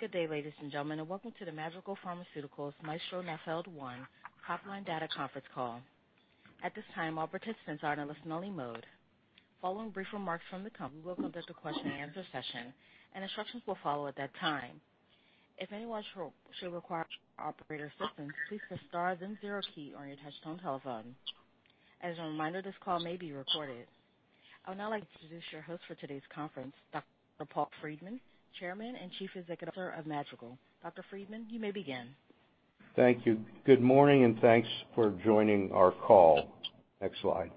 Good day, ladies and gentlemen, and welcome to the Madrigal Pharmaceuticals MAESTRO-NAFLD-1 Top Line Data Conference Call. At this time, all participants are in a listening mode. Following brief remarks from the company, we will conduct a question-and-answer session, and instructions will follow at that time. If anyone shall require operator assistance, please press star then zero key on your touch-tone telephone. As a reminder, this call may be recorded. I would now like to introduce your host for today's conference, Dr. Paul Friedman, Chairman and Chief Executive Officer of Madrigal. Dr. Friedman, you may begin. Thank you. Good morning, and thanks for joining our call. Next slide.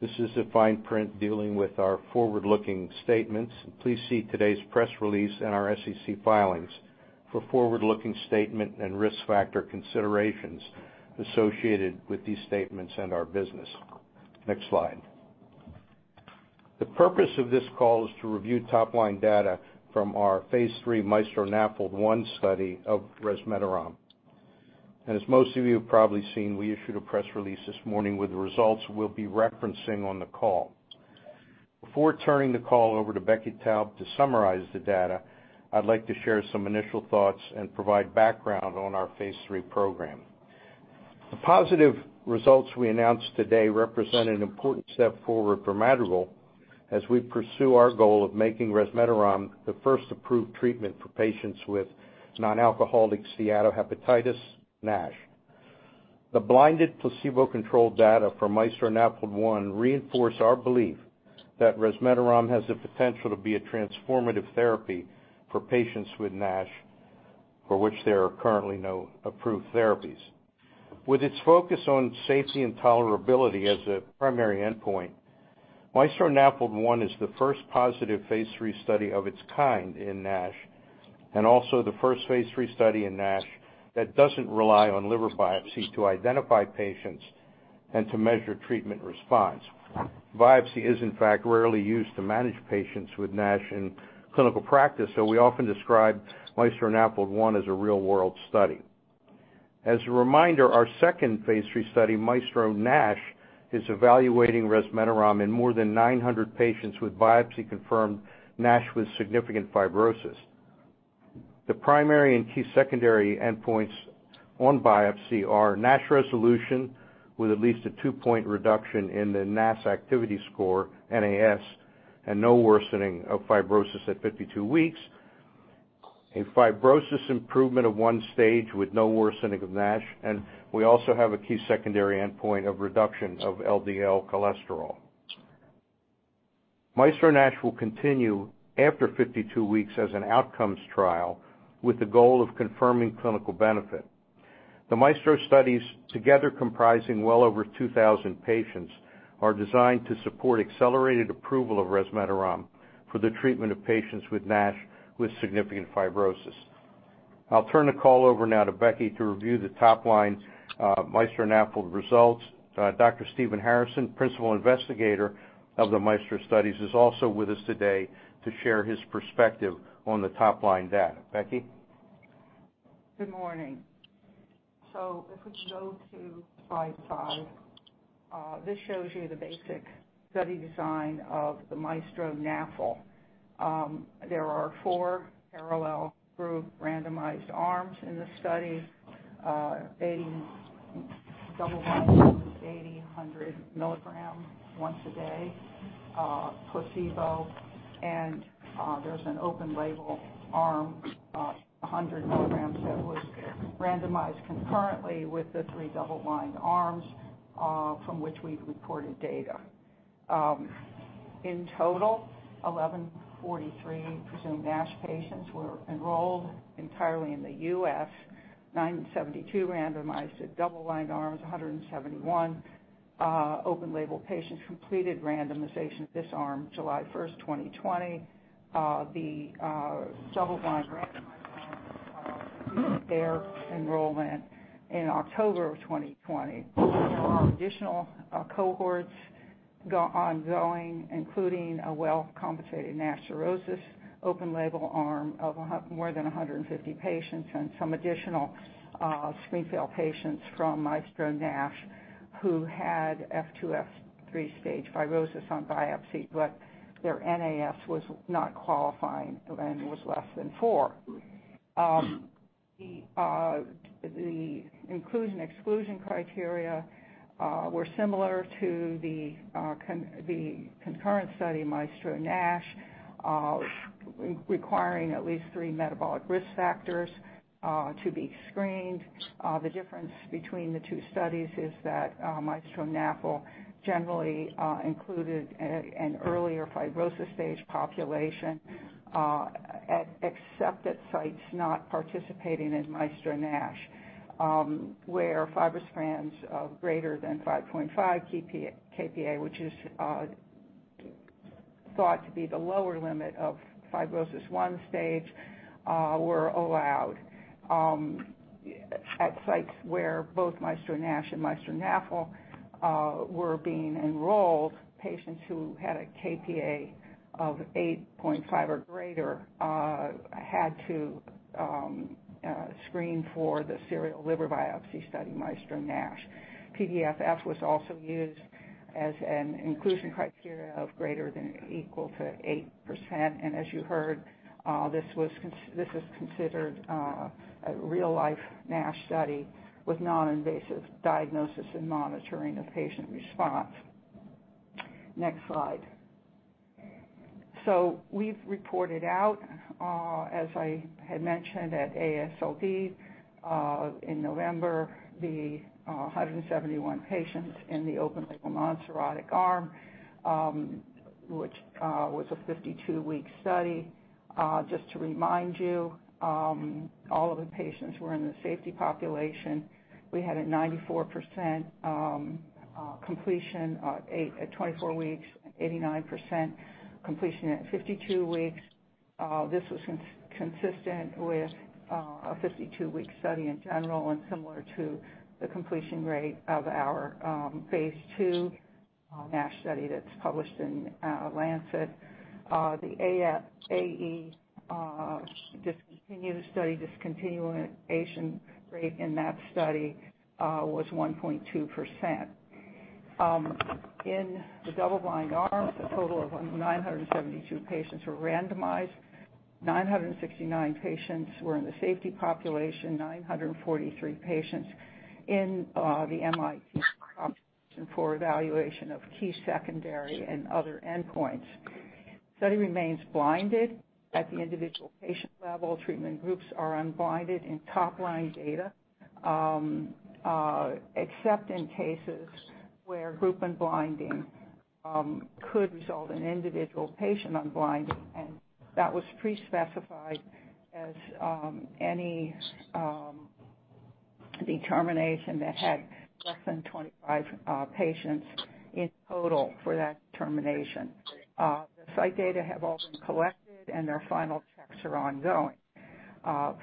This is the fine print dealing with our forward-looking statements. Please see today's press release and our SEC filings for forward-looking statement and risk factor considerations associated with these statements and our business. Next slide. The purpose of this call is to review top-line data from our phase III MAESTRO-NAFLD-1 study of resmetirom. As most of you have probably seen, we issued a press release this morning with the results we'll be referencing on the call. Before turning the call over to Becky Taub to summarize the data, I'd like to share some initial thoughts and provide background on our phase III program. The positive results we announced today represent an important step forward for Madrigal as we pursue our goal of making resmetirom the first approved treatment for patients with non-alcoholic steatohepatitis, NASH. The blinded placebo-controlled data from MAESTRO-NAFLD-1 reinforce our belief that resmetirom has the potential to be a transformative therapy for patients with NASH, for which there are currently no approved therapies. With its focus on safety and tolerability as a primary endpoint, MAESTRO-NAFLD-1 is the first positive phase III study of its kind in NASH, and also the first phase III study in NASH that doesn't rely on liver biopsy to identify patients and to measure treatment response. Biopsy is in fact rarely used to manage patients with NASH in clinical practice, so we often describe MAESTRO-NAFLD-1 as a real-world study. As a reminder, our second phase III study, MAESTRO-NASH, is evaluating resmetirom in more than 900 patients with biopsy-confirmed NASH with significant fibrosis. The primary and key secondary endpoints on biopsy are NASH resolution with at least a 2-point reduction in the NAS activity score, NAS, and no worsening of fibrosis at 52 weeks, a fibrosis improvement of one stage with no worsening of NASH, and we also have a key secondary endpoint of reduction of LDL cholesterol. MAESTRO-NASH will continue after 52 weeks as an outcomes trial with the goal of confirming clinical benefit. The MAESTRO studies together comprising well over 2,000 patients are designed to support accelerated approval of resmetirom for the treatment of patients with NASH with significant fibrosis. I'll turn the call over now to Becky to review the top-line MAESTRO-NAFLD results. Dr. Steven Harrison, Principal Investigator of the MAESTRO studies, is also with us today to share his perspective on the top-line data. Becky? Good morning. If we go to slide five, this shows you the basic study design of the MAESTRO-NAFLD. There are four parallel group randomized arms in the study, 80 double-blind, 80, 100 once a day, placebo, and there's an open-label arm, 100 mg that was randomized concurrently with the three double-blind arms, from which we've reported data. In total, 1,143 presumed NASH patients were enrolled entirely in the U.S. 972 randomized to double-blind arms, 171 open-label patients completed randomization of this arm July 1st, 2020. The double-blind randomized arm completed their enrollment in October of 2020. We have additional cohorts ongoing, including a well-compensated NASH cirrhosis open-label arm of more than 150 patients and some additional screen-fail patients from MAESTRO-NASH who had F2, F3 stage fibrosis on biopsy, but their NAS was not qualifying and was less than four. The inclusion and exclusion criteria were similar to the concurrent study MAESTRO-NASH, requiring at least three metabolic risk factors to be screened. The difference between the two studies is that, MAESTRO-NAFLD generally included an earlier fibrosis stage population at accepted sites not participating in MAESTRO-NASH, where FibroScans of greater than 5.5 kPa, which is thought to be the lower limit of fibrosis 1 stage, were allowed, at sites where both MAESTRO-NASH and MAESTRO-NAFLD were being enrolled, patients who had a kPa of 8.5 or greater had to screen for the serial liver biopsy study, MAESTRO-NASH. PDFF was also used as an inclusion criteria of greater than or equal to 8%. As you heard, this is considered a real life NASH study with non-invasive diagnosis and monitoring of patient response. Next slide. We've reported out, as I had mentioned, at AASLD, in November, the 171 patients in the open label non-cirrhotic arm, which was a 52-week study. Just to remind you, all of the patients were in the safety population. We had a 94% completion at 24 weeks, 89% completion at 52 weeks. This was consistent with a 52-week study in general, and similar to the completion rate of our phase II NASH study that's published in The Lancet. The AE discontinuation rate in that study was 1.2%. In the double-blind arm, a total of 972 patients were randomized. 969 patients were in the safety population. 943 patients in the mITT population for evaluation of key secondary and other endpoints. Study remains blinded at the individual patient level. Treatment groups are unblinded in top-line data, except in cases where group unblinding could result in individual patient unblinding. That was pre-specified as any determination that had less than 25 patients in total for that determination. The site data have all been collected, and their final checks are ongoing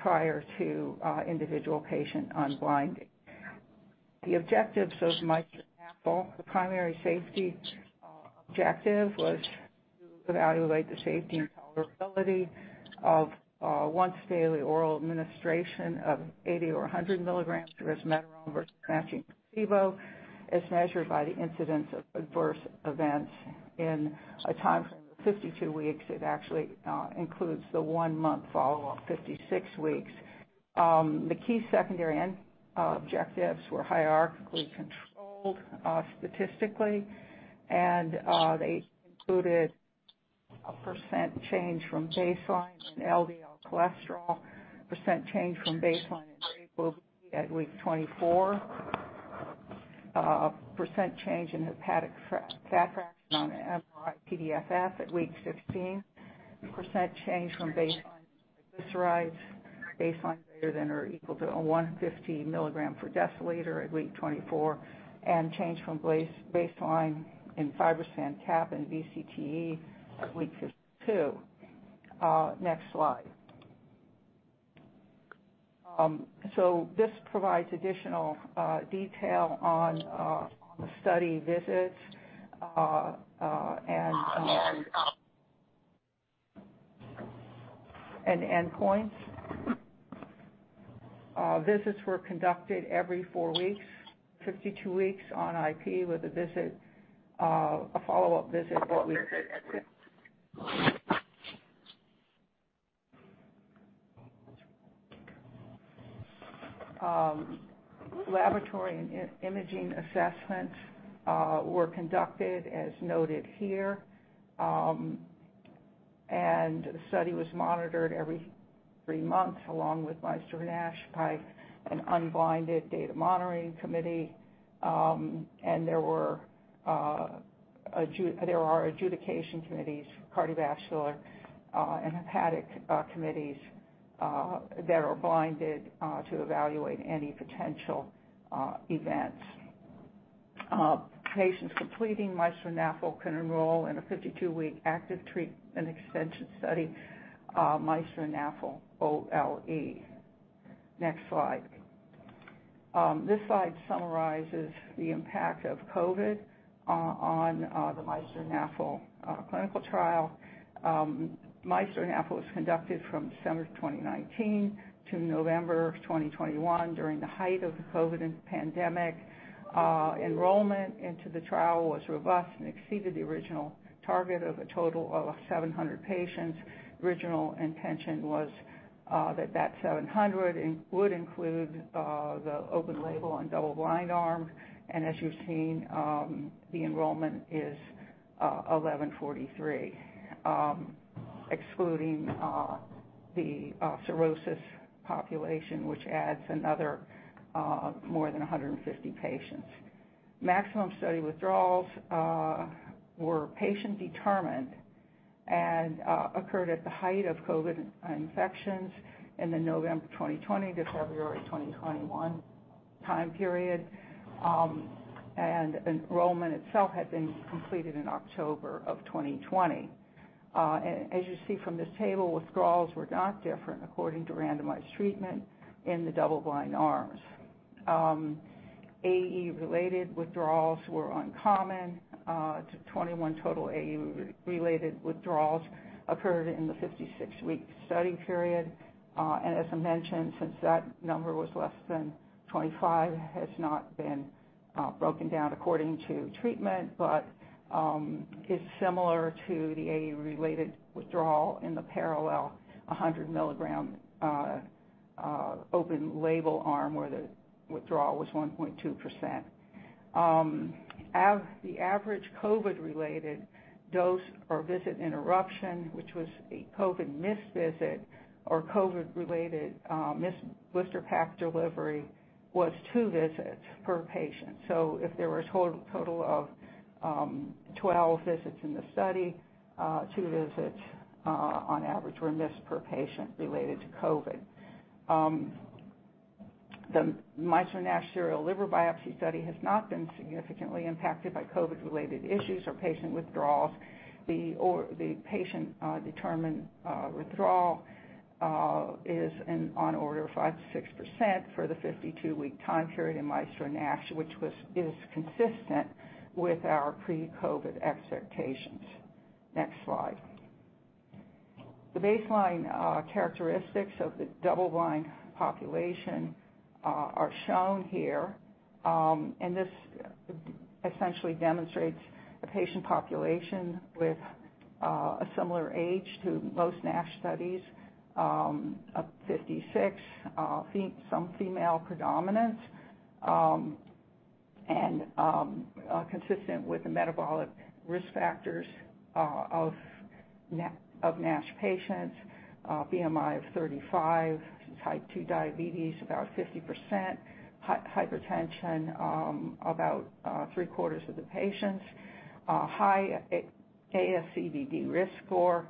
prior to individual patient unblinding. The objectives of MAESTRO-NAFLD. The primary safety objective was to evaluate the safety and tolerability of once daily oral administration of 80 or 100 mg resmetirom versus matching placebo, as measured by the incidence of adverse events in a timeframe of 52 weeks. It actually includes the one-month follow-up, 56 weeks. The key secondary endpoints were hierarchically controlled statistically, and they included a percent change from baseline in LDL cholesterol, percent change from baseline in ApoB at week 24. Percent change in hepatic fat fraction on MRI-PDFF at week 15. Percent change from baseline triglycerides, baseline ≥150 mg/dL at week 24. And change from baseline in FibroScan CAP and VCTE at week 52. Next slide. This provides additional detail on the study visits and endpoints. Visits were conducted every four weeks, 52 weeks on IP, with a follow-up visit at week 56. Laboratory and imaging assessments were conducted as noted here. The study was monitored every three months, along with MAESTRO-NASH by an unblinded data monitoring committee. There are adjudication committees, cardiovascular and hepatic committees that are blinded to evaluate any potential events. Patients completing MAESTRO-NAFLD-1 can enroll in a 52-week active treatment extension study, MAESTRO-NAFLD-OLE. Next slide. This slide summarizes the impact of COVID on the MAESTRO-NAFLD-1 clinical trial. MAESTRO-NAFLD-1 was conducted from December 2019 to November 2021 during the height of the COVID pandemic. Enrollment into the trial was robust and exceeded the original target of a total of 700 patients. Original intention was that 700 would include the open label and double-blind arm. As you've seen, the enrollment is 1,143, excluding the cirrhosis population, which adds another more than 150 patients. Maximum study withdrawals were patient-determined and occurred at the height of COVID infections in the November 2020 to February 2021 time period. Enrollment itself had been completed in October 2020. As you see from this table, withdrawals were not different according to randomized treatment in the double-blind arms. AE-related withdrawals were uncommon. 21 total AE-related withdrawals occurred in the 56-week study period. As I mentioned, since that number was less than 25, it has not been broken down according to treatment, but is similar to the AE-related withdrawal in the parallel 100 mg open-label arm where the withdrawal was 1.2%. The average COVID-related dose or visit interruption, which was a COVID missed visit or COVID-related missed blister pack delivery, was two visits per patient. If there was a total of 12 visits in the study, two visits on average were missed per patient related to COVID. The MAESTRO-NASH serial liver biopsy study has not been significantly impacted by COVID-related issues or patient withdrawals. The patient determined withdrawal is on the order of 5%-6% for the 52-week time period in MAESTRO-NASH, which is consistent with our pre-COVID expectations. Next slide. The baseline characteristics of the double-blind population are shown here, and this essentially demonstrates a patient population with a similar age to most NASH studies of 56, some female predominance, and consistent with the metabolic risk factors of NASH patients. BMI of 35, type II diabetes about 50%. Hypertension, about three-quarters of the patients. High ASCVD risk score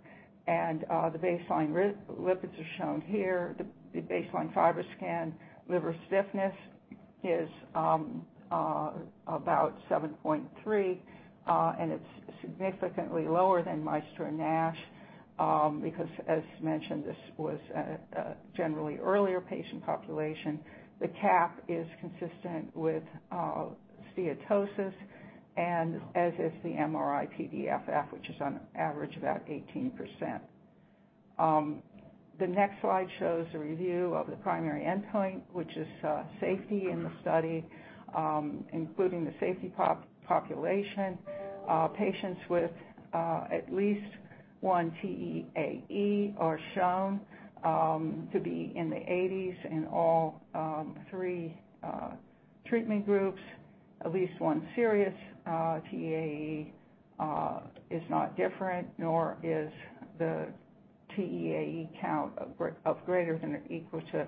and the baseline lipids are shown here. The baseline FibroScan liver stiffness is about 7.3, and it's significantly lower than MAESTRO-NASH because, as mentioned, this was a generally earlier patient population. The CAP is consistent with steatosis and as is the MRI-PDFF, which is on average about 18%. The next slide shows a review of the primary endpoint, which is safety in the study, including the safety population. Patients with at least one TEAE are shown to be in the 80s in all three treatment groups. At least one serious TEAE is not different, nor is the TEAE count of greater than or equal to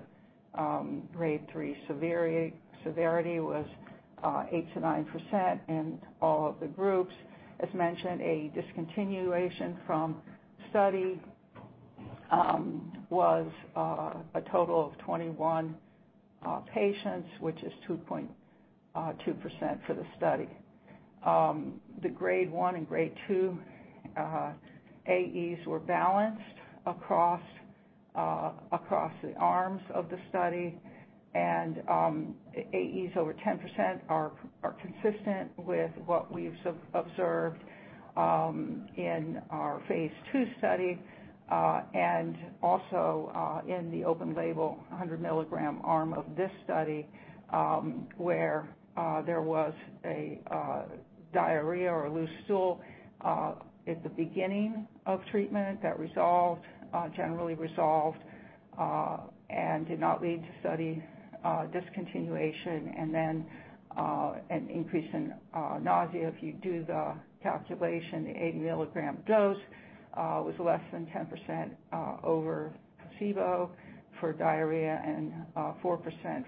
Grade 3 severity. Severity was 8%-9% in all of the groups. As mentioned, a discontinuation from study was a total of 21 patients, which is 2.2% for the study. The Grade 1 and Grade 2 AEs were balanced across the arms of the study. AEs over 10% are consistent with what we've observed in our phase II study and also in the open-label 100-mg arm of this study, where there was diarrhea or loose stool at the beginning of treatment that generally resolved and did not lead to study discontinuation. An increase in nausea. If you do the calculation, the 80 mg dose was less than 10% over placebo for diarrhea and 4%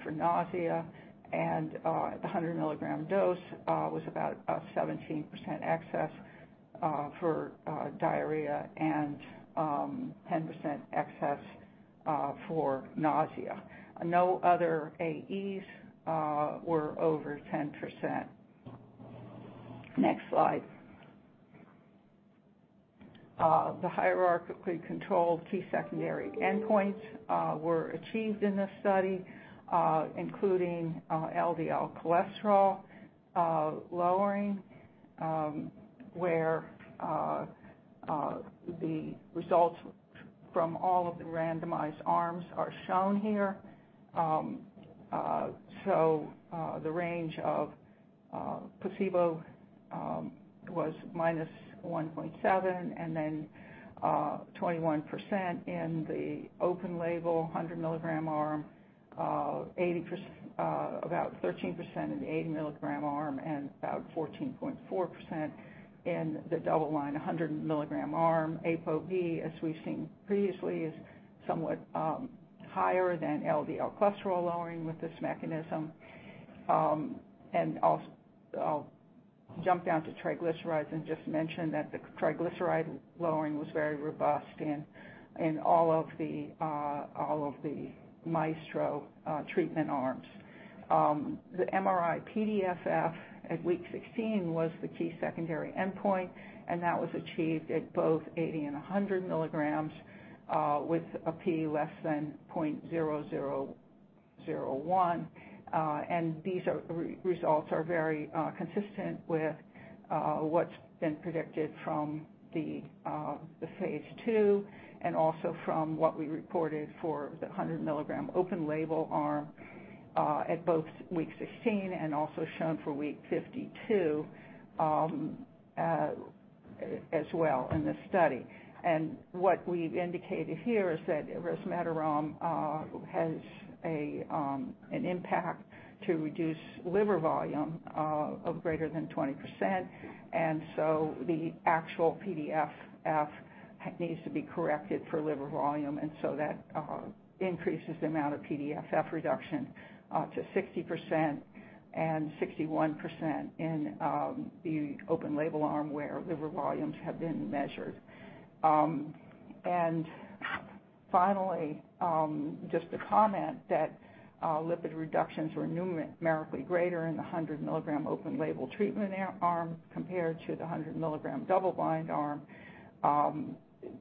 for nausea. The 100 mg dose was about 17% excess for diarrhea and 10% excess for nausea. No other AEs were over 10%. Next slide. The hierarchically controlled key secondary endpoints were achieved in this study, including LDL cholesterol lowering, where the results from all of the randomized arms are shown here. The range of placebo was minus 1.7% and then 21% in the open label 100 mg arm, about 13% in the 80 mg arm and about 14.4% in the double-blind 100 mg arm. ApoB, as we've seen previously, is somewhat higher than LDL cholesterol lowering with this mechanism. I'll jump down to triglycerides and just mention that the triglyceride lowering was very robust in all of the MAESTRO treatment arms. The MRI-PDFF at week 16 was the key secondary endpoint, and that was achieved at both 80 and 100 mg, with a P < 0.0001. These results are very consistent with what's been predicted from the phase II and also from what we reported for the 100 mg open label arm, at both week 16 and also shown for week 52, as well in this study. What we've indicated here is that resmetirom has an impact to reduce liver volume of greater than 20%. The actual PDFF needs to be corrected for liver volume, and so that increases the amount of PDFF reduction to 60% and 61% in the open label arm where liver volumes have been measured. Finally, just a comment that lipid reductions were numerically greater in the 100 mg open label treatment arm compared to the 100 mg double-blind arm.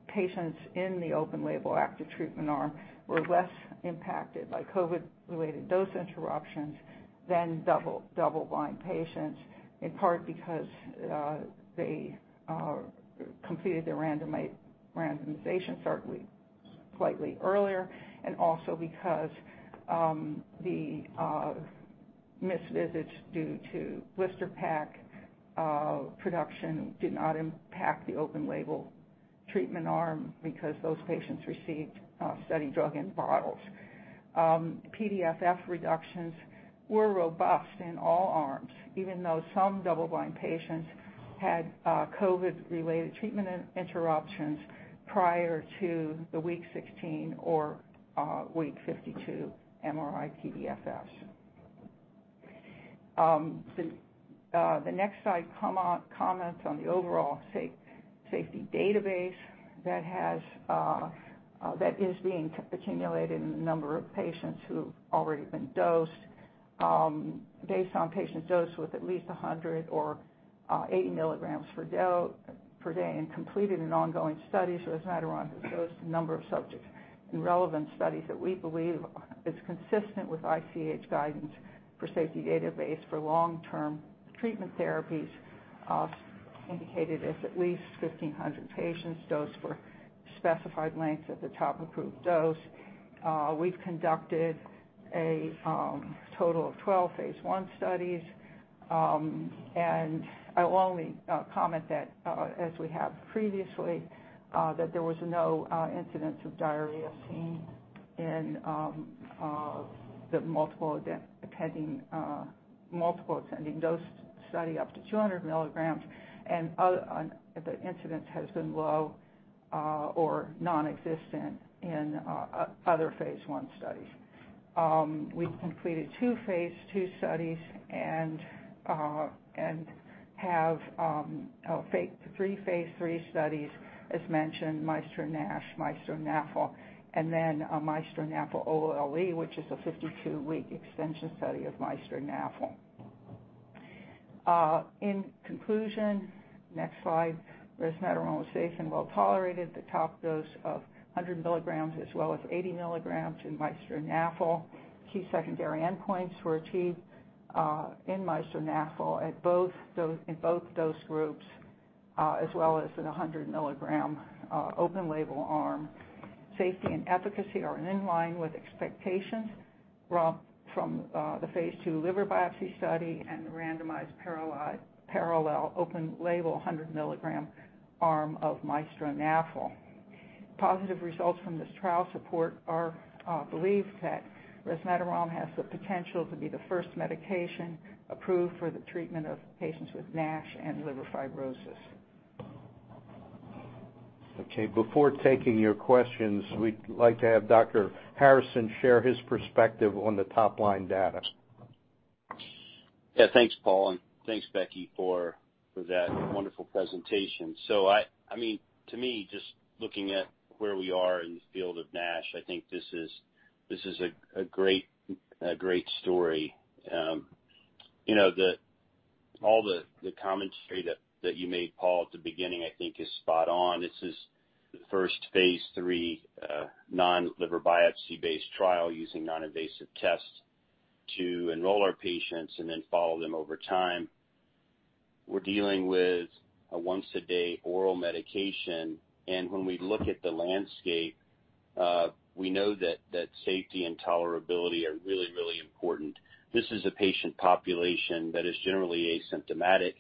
Patients in the open label active treatment arm were less impacted by COVID-related dose interruptions than double-blind patients, in part because they completed their randomization certainly slightly earlier, and also because the missed visits due to blister pack production did not impact the open label treatment arm because those patients received study drug in bottles. PDFF reductions were robust in all arms, even though some double-blind patients had COVID-related treatment interruptions prior to the week 16 or week 52 MRI-PDFFs. The next slide comments on the overall safety database that is being accumulated in the number of patients who've already been dosed, based on patients dosed with at least 100 or 80 mg per day and completed in ongoing studies. Resmetirom has dosed the number of subjects in relevant studies that we believe is consistent with ICH guidance for safety database for long-term treatment therapies, indicated as at least 1,500 patients dosed for specified lengths at the top approved dose. We've conducted a total of 12 phase I studies. I will only comment that, as we have previously, that there was no incidence of diarrhea seen in the multiple ascending dose study up to 200 mg. The incidence has been low or nonexistent in other phase I studies. We've completed two phase II studies and have three phase III studies, as mentioned, MAESTRO-NASH, MAESTRO-NAFLD, and then MAESTRO-NAFLD-OLE, which is a 52-week extension study of MAESTRO-NAFLD. In conclusion, next slide, resmetirom was safe and well-tolerated. The top dose of 100 mg as well as 80 mg in MAESTRO-NAFLD. Key secondary endpoints were achieved in MAESTRO-NAFLD at both dose, in both dose groups, as well as in the 100 mg open label arm. Safety and efficacy are in line with expectations from the phase II liver biopsy study and the randomized parallel open label 100 mg arm of MAESTRO-NAFLD. Positive results from this trial support our belief that resmetirom has the potential to be the first medication approved for the treatment of patients with NASH and liver fibrosis. Okay, before taking your questions, we'd like to have Dr. Harrison share his perspective on the top-line data. Yeah. Thanks, Paul, and thanks, Becky, for that wonderful presentation. I mean, to me, just looking at where we are in the field of NASH, I think this is a great story. You know, all the commentary that you made, Paul, at the beginning, I think is spot on. This is the first phase III non-liver biopsy-based trial using non-invasive tests to enroll our patients and then follow them over time. We're dealing with a once-a-day oral medication, and when we look at the landscape, we know that safety and tolerability are really important. This is a patient population that is generally asymptomatic.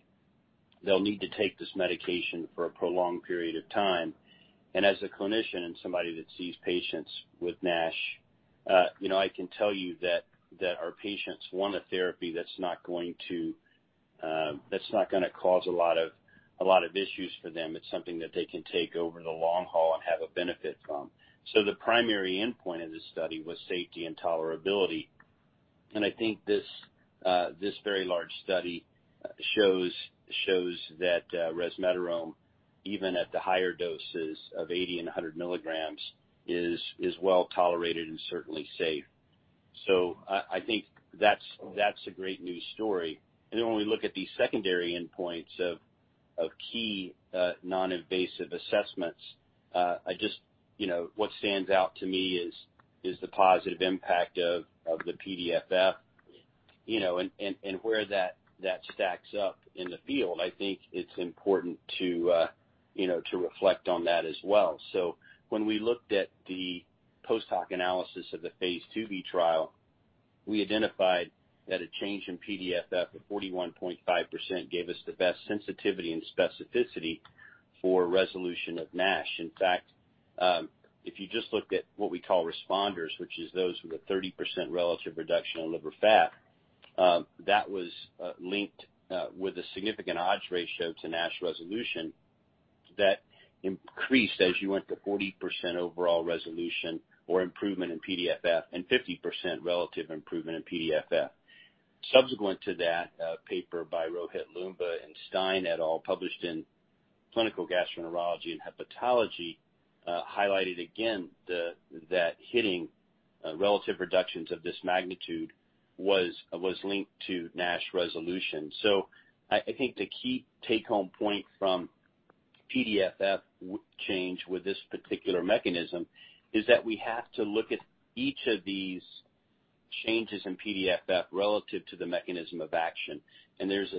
They'll need to take this medication for a prolonged period of time. As a clinician and somebody that sees patients with NASH, you know, I can tell you that our patients want a therapy that's not going to, that's not gonna cause a lot of issues for them. It's something that they can take over the long haul and have a benefit from. The primary endpoint of this study was safety and tolerability. I think this very large study shows that resmetirom, even at the higher doses of 80 and 100 mg is well tolerated and certainly safe. I think that's a great news story. Then when we look at the secondary endpoints of key non-invasive assessments, I just... You know, what stands out to me is the positive impact of the PDFF, you know, and where that stacks up in the field. I think it's important to, you know, to reflect on that as well. When we looked at the post-hoc analysis of the phase II-B trial, we identified that a change in PDFF of 41.5% gave us the best sensitivity and specificity for resolution of NASH. In fact, if you just looked at what we call responders, which is those with a 30% relative reduction in liver fat, that was linked with a significant odds ratio to NASH resolution that increased as you went to 40% overall resolution or improvement in PDFF and 50% relative improvement in PDFF. Subsequent to that, paper by Rohit Loomba and Stein et al., published in Clinical Gastroenterology and Hepatology, highlighted again that hitting relative reductions of this magnitude was linked to NASH resolution. I think the key take-home point from PDFF change with this particular mechanism is that we have to look at each of these changes in PDFF relative to the mechanism of action. There's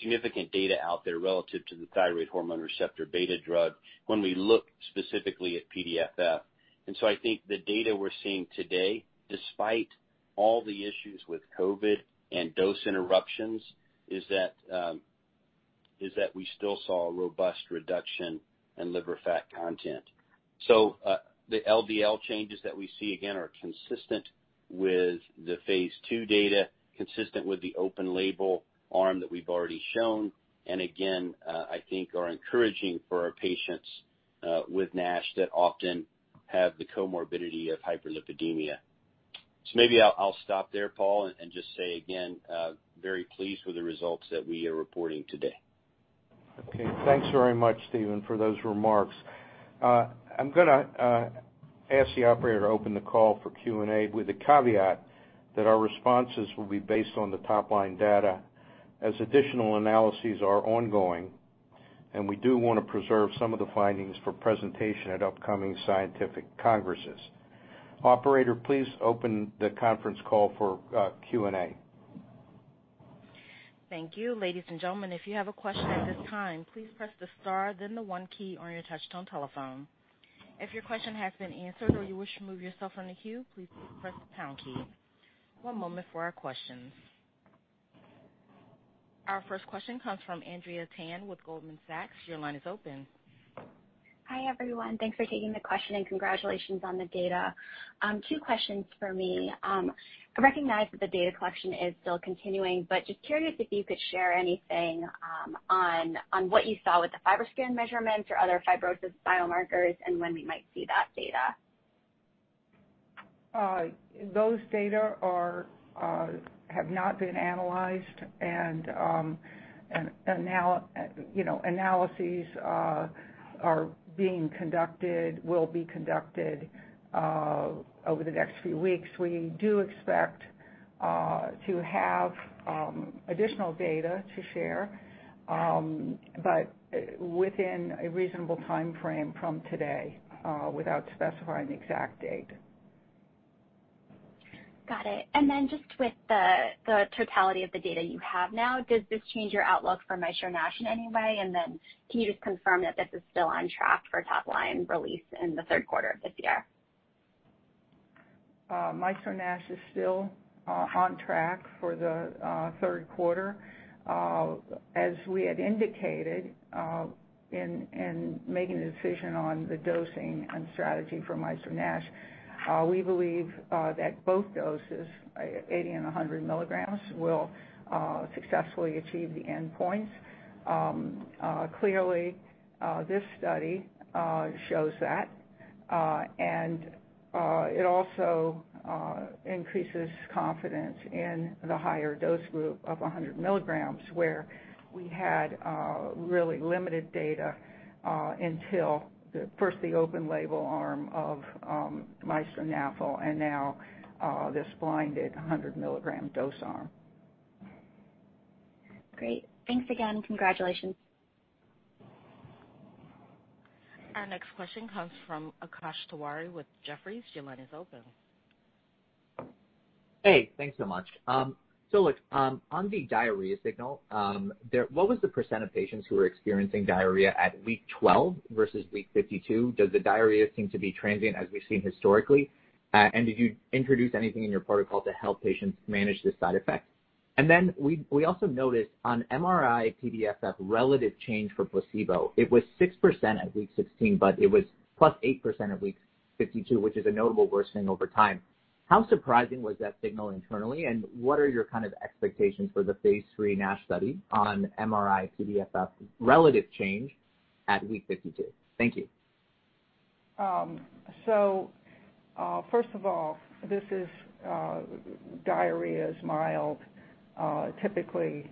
significant data out there relative to the thyroid hormone receptor beta drug when we look specifically at PDFF. I think the data we're seeing today, despite all the issues with COVID and dose interruptions, is that we still saw a robust reduction in liver fat content. The LDL changes that we see, again, are consistent with the phase II data, consistent with the open label arm that we've already shown, and again, I think are encouraging for our patients with NASH that often have the comorbidity of hyperlipidemia. Maybe I'll stop there, Paul, and just say again, very pleased with the results that we are reporting today. Okay. Thanks very much, Steven, for those remarks. I'm gonna ask the operator to open the call for Q&A with the caveat that our responses will be based on the top-line data as additional analyses are ongoing, and we do wanna preserve some of the findings for presentation at upcoming scientific congresses. Operator, please open the conference call for Q&A. Thank you. Ladies and gentlemen, if you have a question at this time, please press the star and then the one key on your touchtone telephone. One moment for our questions. Our first question comes from Andrea Tan with Goldman Sachs. Your line is open. Hi, everyone. Thanks for taking the question and congratulations on the data. Two questions for me. I recognize that the data collection is still continuing, but just curious if you could share anything on what you saw with the FibroScan measurements or other fibrosis biomarkers and when we might see that data? Those data have not been analyzed and, you know, analyses are being conducted, will be conducted over the next few weeks. We do expect to have additional data to share, but within a reasonable timeframe from today, without specifying the exact date. Got it. Just with the totality of the data you have now, does this change your outlook for MAESTRO-NASH in any way? Can you just confirm that this is still on track for top-line release in the third quarter of this year? MAESTRO-NASH is still on track for the third quarter. As we had indicated in making a decision on the dosing and strategy for MAESTRO-NASH, we believe that both doses, 80 and 100 mg, will successfully achieve the endpoints. Clearly, this study shows that, and it also increases confidence in the higher dose group of 100 mg, where we had really limited data until the open label arm of MAESTRO-NAFLD-1 and now this blinded 100 mg dose arm. Great. Thanks again. Congratulations. Our next question comes from Akash Tewari with Jefferies. Your line is open. Hey, thanks so much. So look, on the diarrhea signal, there, what was the percent of patients who were experiencing diarrhea at week 12 versus week 52? Does the diarrhea seem to be transient as we've seen historically? And did you introduce anything in your protocol to help patients manage this side effect? We also noticed on MRI-PDFF relative change for placebo, it was 6% at week 16, but it was +8% at week 52, which is a notable worsening over time. How surprising was that signal internally, and what are your kind of expectations for the phase III NASH study on MRI-PDFF relative change at week 52? Thank you. First of all, this is diarrhea is mild, typically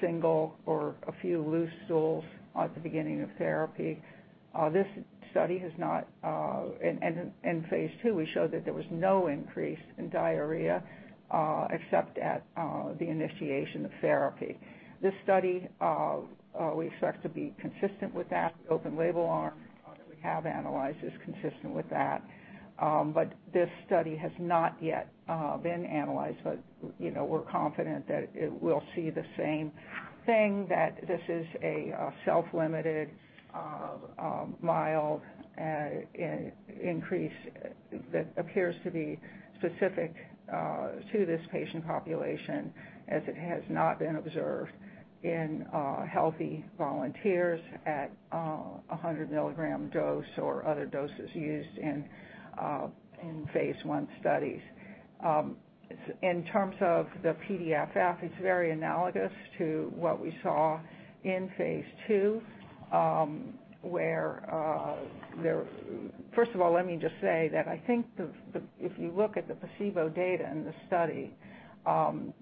single or a few loose stools at the beginning of therapy. In phase II, we showed that there was no increase in diarrhea, except at the initiation of therapy. This study we expect to be consistent with that open label arm we have analyzed, which is consistent with that. This study has not yet been analyzed. You know, we're confident that it will see the same thing, that this is a self-limited mild increase that appears to be specific to this patient population as it has not been observed in healthy volunteers at a 100 mg dose or other doses used in phase I studies. In terms of the PDFF, it's very analogous to what we saw in phase II. First of all, let me just say that I think if you look at the placebo data in the study,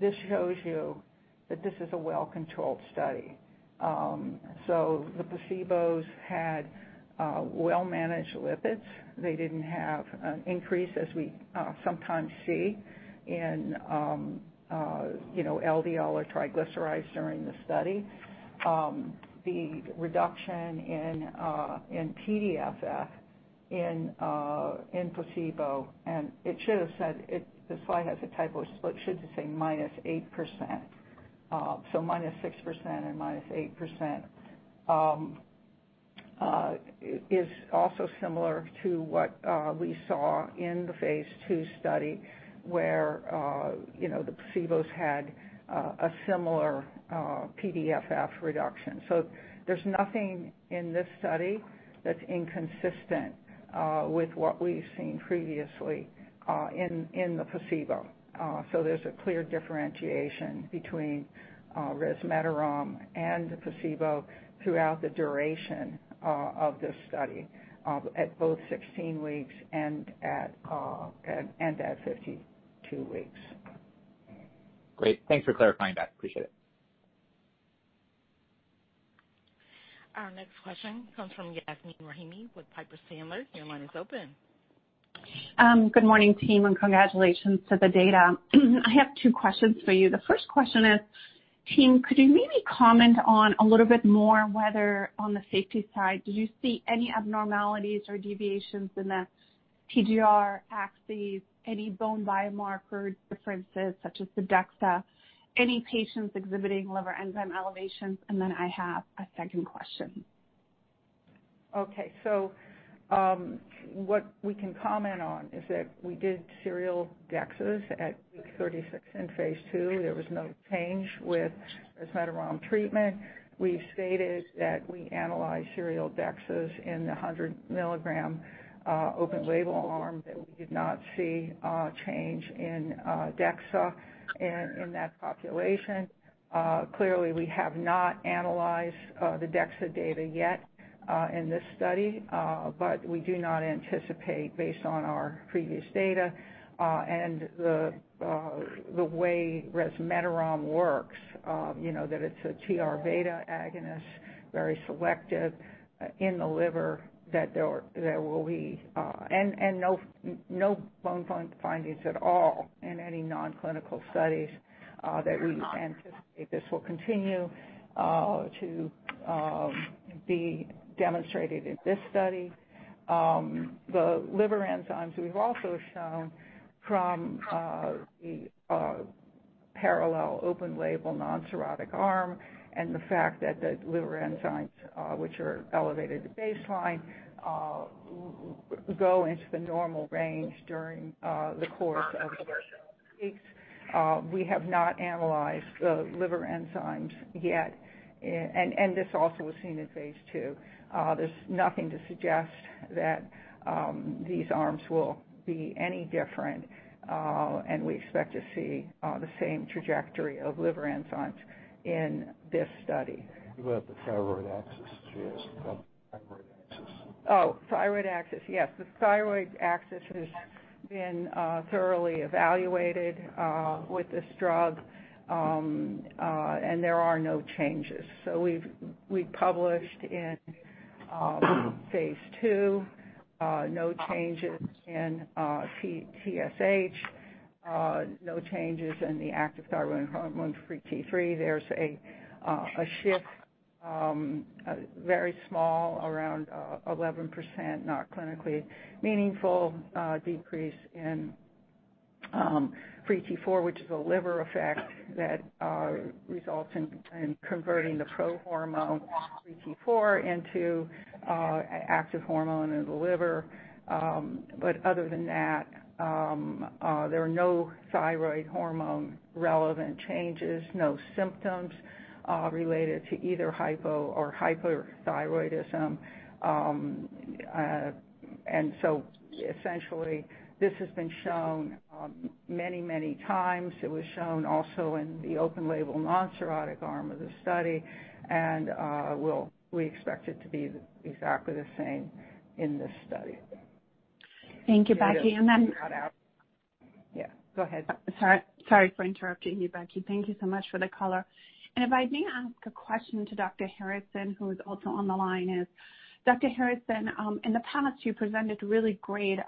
this shows you that this is a well-controlled study. The placebos had well-managed lipids. They didn't have an increase as we sometimes see in, you know, LDL or triglycerides during the study. The reduction in PDFF in placebo. The slide has a typo. It should say - 8%. Minus 6% and minus 8% is also similar to what we saw in the phase II study where, you know, the placebos had a similar PDFF reduction. There's nothing in this study that's inconsistent with what we've seen previously in the placebo. There's a clear differentiation between resmetirom and the placebo throughout the duration of this study at both 16 weeks and 52 weeks. Great. Thanks for clarifying that. Appreciate it. Our next question comes from Yasmeen Rahimi with Piper Sandler. Your line is open. Good morning, team, and congratulations to the data. I have two questions for you. The first question is, team, could you maybe comment on a little bit more whether on the safety side, did you see any abnormalities or deviations in the PGR axes, any bone biomarker differences such as the DEXA, any patients exhibiting liver enzyme elevations? I have a second question. Okay. What we can comment on is that we did serial DEXAs at week 36 in phase II. There was no change with resmetirom treatment. We've stated that we analyzed serial DEXAs in the 100 mg open label arm, that we did not see change in DEXA in that population. Clearly, we have not analyzed the DEXA data yet in this study. But we do not anticipate based on our previous data and the way resmetirom works, you know, that it's a TR beta agonist, very selective in the liver that there will be no bone findings at all in any non-clinical studies, that we anticipate this will continue to be demonstrated in this study. The liver enzymes we've also shown from the parallel open-label non-cirrhotic arm and the fact that the liver enzymes, which are elevated at baseline, go into the normal range during the course of weeks. We have not analyzed the liver enzymes yet. This also was seen in phase II. There's nothing to suggest that these arms will be any different, and we expect to see the same trajectory of liver enzymes in this study. What about the thyroid axis, too? Oh, thyroid axis. Yes. The thyroid axis has been thoroughly evaluated with this drug and there are no changes. We published in phase II no changes in TSH, no changes in the active thyroid hormone free T3. There's a very small shift around 11%, not clinically meaningful, decrease in free T4, which is a liver effect that results in converting the prohormone free T4 into the active hormone in the liver. But other than that, there are no thyroid hormone relevant changes, no symptoms related to either hypo or hyperthyroidism. Essentially this has been shown many times. It was shown also in the open-label non-cirrhotic arm of the study and we expect it to be exactly the same in this study. Thank you, Becky. Yeah, go ahead. Sorry for interrupting you, Becky. Thank you so much for the color. If I may ask a question to Dr. Harrison, who is also on the line is, Dr. Harrison, in the past you presented really great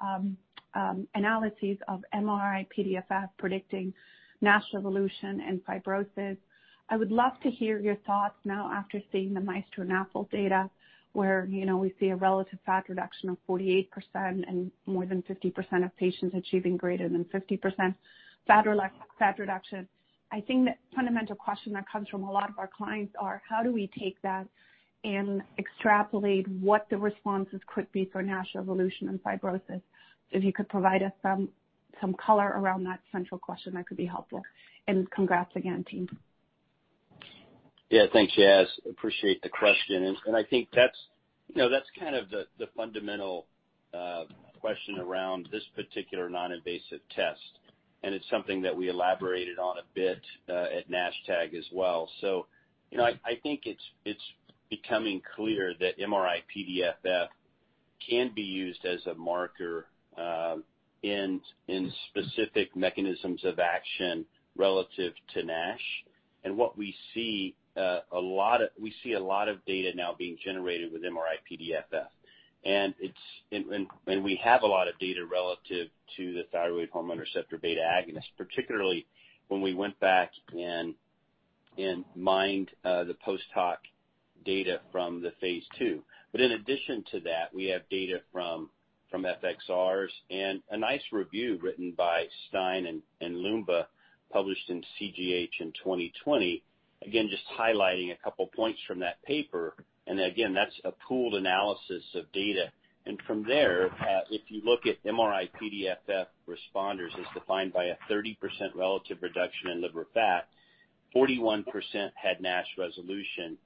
analyses of MRI-PDFF predicting NASH resolution and fibrosis. I would love to hear your thoughts now after seeing the MAESTRO-NAFLD data where, you know, we see a relative fat reduction of 48% and more than 50% of patients achieving greater than 50% fat reduction. I think the fundamental question that comes from a lot of our clients are how do we take that and extrapolate what the responses could be for NASH evolution and fibrosis? If you could provide us some color around that central question, that could be helpful. Congrats again, team. Yeah. Thanks, Yas. Appreciate the question. I think that's, you know, that's kind of the fundamental question around this particular non-invasive test, and it's something that we elaborated on a bit at NASH-TAG as well. You know, I think it's becoming clear that MRI-PDFF can be used as a marker in specific mechanisms of action relative to NASH. We see a lot of data now being generated with MRI-PDFF and we have a lot of data relative to the thyroid hormone receptor beta agonist, particularly when we went back and mined the post hoc data from the phase II. In addition to that, we have data from FXRs and a nice review written by Stein and Loomba published in CGH in 2020. Again, just highlighting a couple points from that paper. Again, that's a pooled analysis of data. From there, if you look at MRI-PDFF responders as defined by a 30% relative reduction in liver fat, 41% had NASH resolution.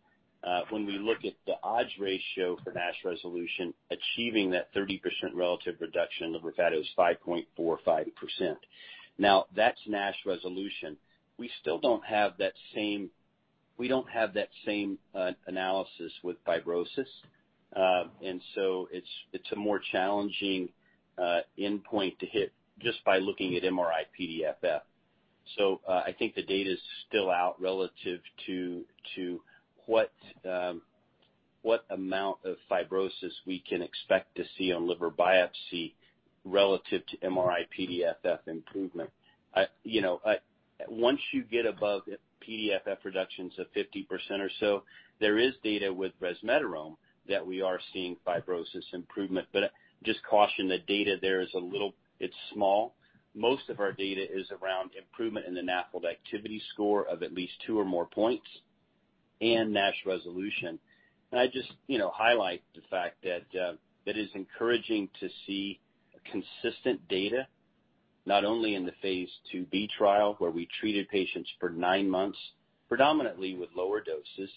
When we look at the odds ratio for NASH resolution achieving that 30% relative reduction in liver fat, it was 5.45. Now, that's NASH resolution. We still don't have that same analysis with fibrosis. It's a more challenging endpoint to hit just by looking at MRI-PDFF. I think the data's still out relative to what amount of fibrosis we can expect to see on liver biopsy relative to MRI-PDFF improvement. Once you get above PDFF reductions of 50% or so, there is data with resmetirom that we are seeing fibrosis improvement. But just caution that data there is a little, it's small. Most of our data is around improvement in the NAFLD Activity Score of at least two or more points and NASH resolution. I just, you know, highlight the fact that that is encouraging to see consistent data not only in the phase II-B trial where we treated patients for nine months, predominantly with lower doses.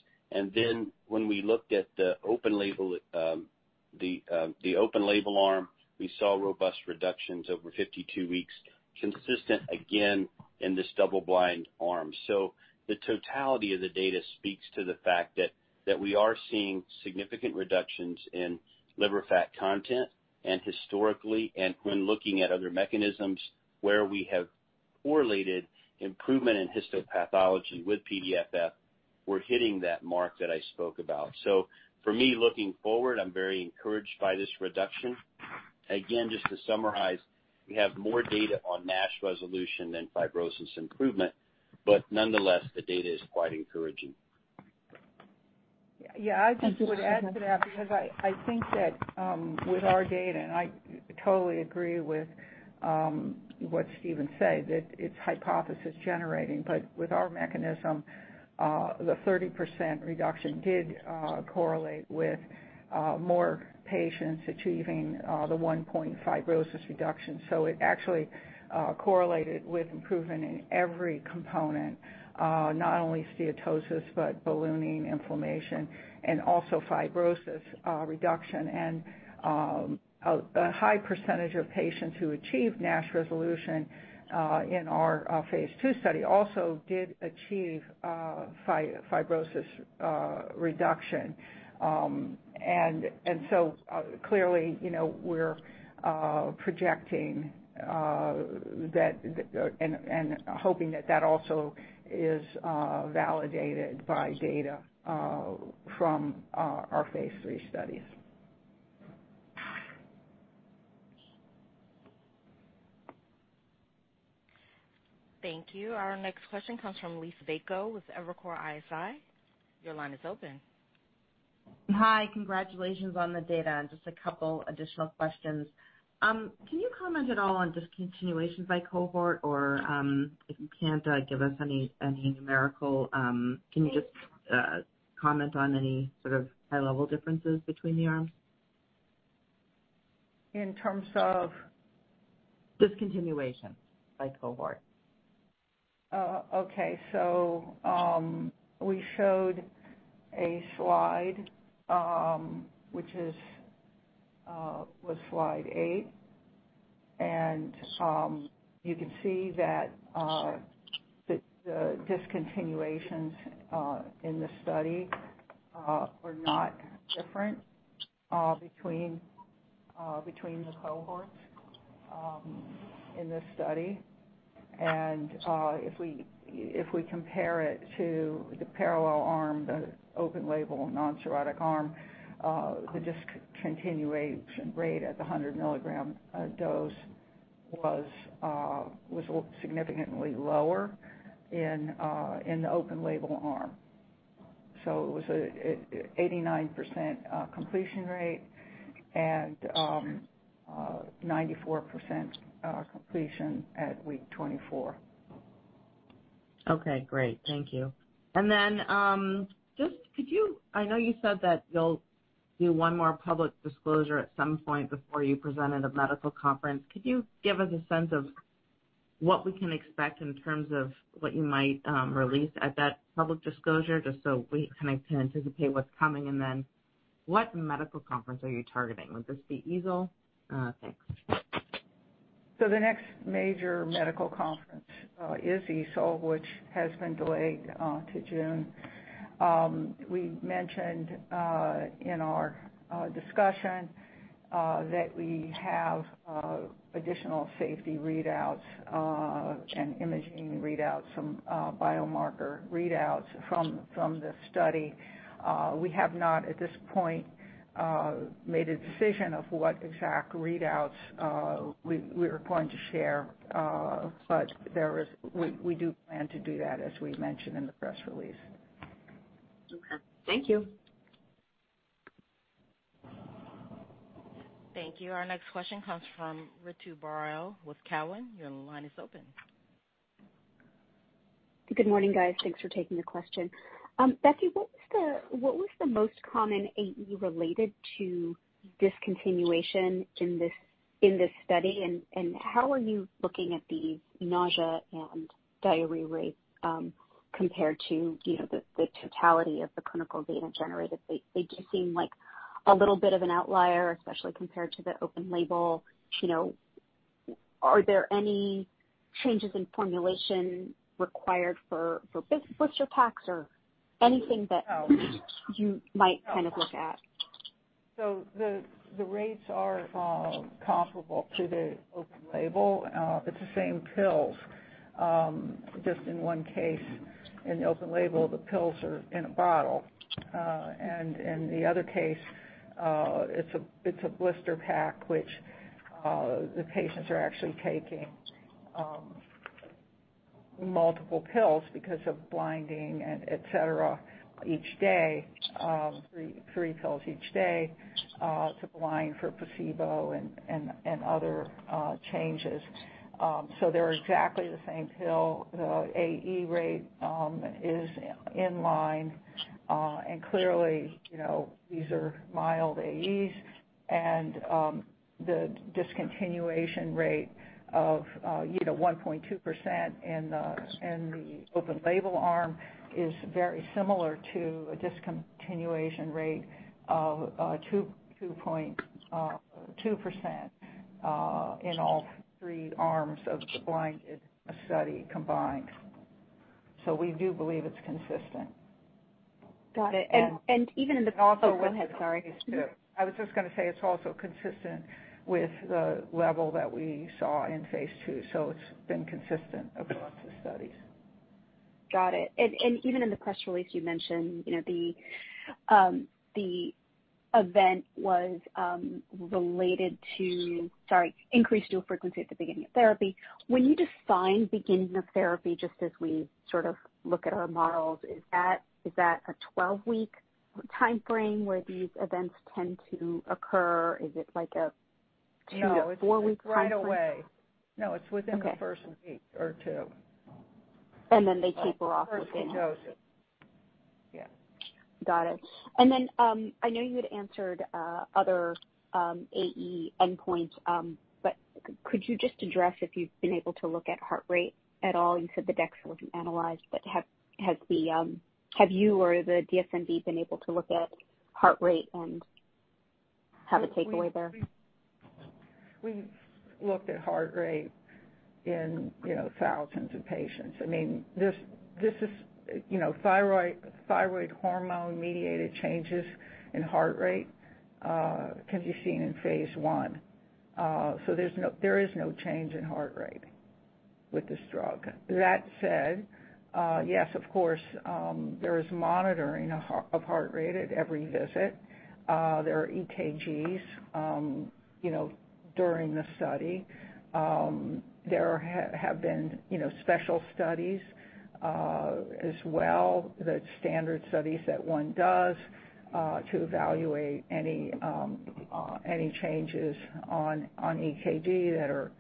When we looked at the open label arm, we saw robust reductions over 52 weeks, consistent again in this double blind arm. The totality of the data speaks to the fact that we are seeing significant reductions in liver fat content and historically, and when looking at other mechanisms where we have correlated improvement in histopathology with PDFF, we're hitting that mark that I spoke about. For me, looking forward, I'm very encouraged by this reduction. Again, just to summarize, we have more data on NASH resolution than fibrosis improvement, but nonetheless the data is quite encouraging. Yeah. I just would add to that because I think that with our data, and I totally agree with what Steven said, that it's hypothesis generating. With our mechanism, the 30% reduction did correlate with more patients achieving the 1-point fibrosis reduction. So it actually correlated with improvement in every component, not only steatosis, but ballooning inflammation and also fibrosis reduction. A high percentage of patients who achieve NASH resolution in our phase II study also did achieve fibrosis reduction. Clearly, you know, we're projecting that and hoping that that also is validated by data from our phase III studies. Thank you. Our next question comes from Liisa Bayko with Evercore ISI. Your line is open. Hi. Congratulations on the data, and just a couple additional questions. Can you comment at all on discontinuations by cohort or, if you can't, give us any numerical, can you just comment on any sort of high level differences between the arms? In terms of? Discontinuations by cohort. Oh, okay. We showed a slide, which was slide eight. You can see that the discontinuations in the study were not different between the cohorts in this study. If we compare it to the parallel arm, the open label non-cirrhotic arm, the discontinuation rate at the 100 mg dose was significantly lower in the open label arm. It was a 89% completion rate and 94% completion at week 24. Okay, great. Thank you. Just could you. I know you said that you'll do one more public disclosure at some point before you present at a medical conference. Could you give us a sense of what we can expect in terms of what you might release at that public disclosure, just so we kind of can anticipate what's coming? What medical conference are you targeting? Would this be EASL? Thanks. The next major medical conference is EASL, which has been delayed to June. We mentioned in our discussion that we have additional safety readouts and imaging readouts, some biomarker readouts from the study. We have not at this point made a decision of what exact readouts we are going to share. We do plan to do that, as we mentioned in the press release. Okay, thank you. Thank you. Our next question comes from Ritu Baral with Cowen. Your line is open. Good morning, guys. Thanks for taking the question. Becky, what was the most common AE related to discontinuation in this study? And how are you looking at the nausea and diarrhea rates compared to the totality of the clinical data generated? They do seem like a little bit of an outlier, especially compared to the open label. You know, are there any changes in formulation required for blister packs or anything that- No. You might kind of look at? Rates are comparable to the open label. It's the same pills. Just in one case, in the open label, the pills are in a bottle. And in the other case, it's a blister pack, which the patients are actually taking multiple pills because of blinding and et cetera each day, three pills each day to blind for placebo and other changes. They're exactly the same pill. The AE rate is in line. And clearly, you know, these are mild AEs. The discontinuation rate of you know 1.2% in the open label arm is very similar to a discontinuation rate of 2.2% in all three arms of the blinded study combined. We do believe it's consistent. Got it. And even in the.. Also with- Oh, go ahead, sorry. I was just gonna say it's also consistent with the level that we saw in phase II, so it's been consistent across the studies. Got it. Even in the press release you mentioned, you know, the event was related to, sorry, increased stool frequency at the beginning of therapy. When you define beginning of therapy, just as we sort of look at our models, is that a 12-week timeframe where these events tend to occur? Is it like a- No. 2- to 4-week timeframe? It's right away. No, it's within. Okay. the first week or two. They taper off within First dosage. Yeah. Got it. I know you had answered other AE endpoints. Could you just address if you've been able to look at heart rate at all? You said the decks weren't analyzed, but have you or the DMC been able to look at heart rate and have a takeaway there? We've looked at heart rate in, you know, thousands of patients. I mean, this is, you know, thyroid hormone-mediated changes in heart rate can be seen in phase I. So there is no change in heart rate with this drug. That said, yes, of course, there is monitoring of heart rate at every visit. There are EKGs, you know, during the study. There have been, you know, special studies, as well, the standard studies that one does to evaluate any changes on EKG that are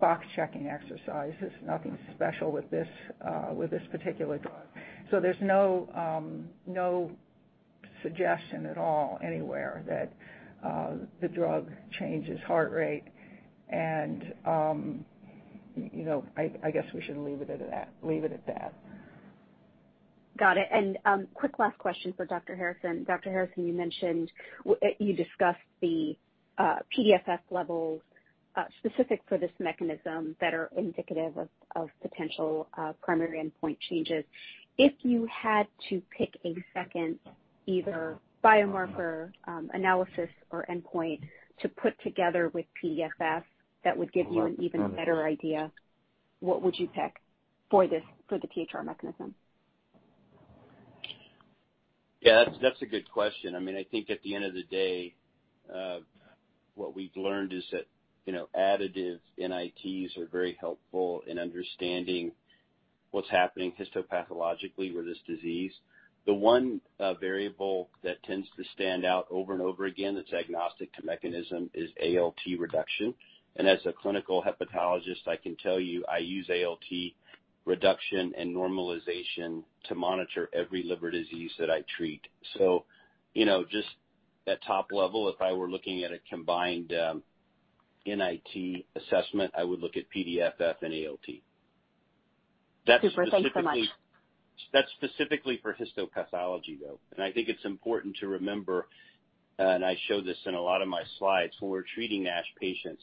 box checking exercises. Nothing special with this particular drug. So there's no suggestion at all anywhere that the drug changes heart rate and, you know, I guess we should leave it at that. Leave it at that. Got it. Quick last question for Dr. Harrison. Dr. Harrison, you discussed the PDFF levels specific for this mechanism that are indicative of potential primary endpoint changes. If you had to pick a second, either biomarker analysis or endpoint to put together with PDFF that would give you an even better idea, what would you pick for this, for the THR mechanism? Yeah, that's a good question. I mean, I think at the end of the day, what we've learned is that, you know, additive NITs are very helpful in understanding what's happening histopathologically with this disease. The one variable that tends to stand out over and over again that's agnostic to mechanism is ALT reduction. As a clinical hepatologist, I can tell you, I use ALT reduction and normalization to monitor every liver disease that I treat. You know, just at top level, if I were looking at a combined NIT assessment, I would look at PDFF and ALT. Super. Thanks so much. That's specifically for histopathology, though, and I think it's important to remember, and I show this in a lot of my slides, when we're treating NASH patients,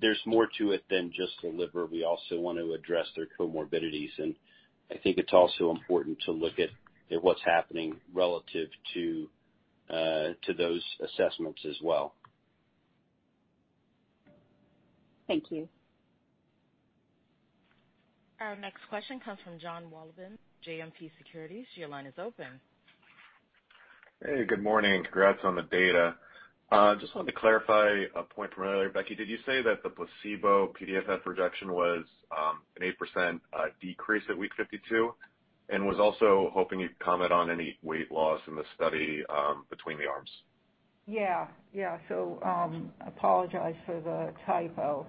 there's more to it than just the liver. We also want to address their comorbidities, and I think it's also important to look at what's happening relative to those assessments as well. Thank you. Our next question comes from Jon Wolleben, JMP Securities. Your line is open. Hey, good morning. Congrats on the data. Just wanted to clarify a point from earlier. Becky, did you say that the placebo PDFF reduction was an 8% decrease at week 52? Was also hoping you'd comment on any weight loss in the study between the arms. Yeah. Apologize for the typo.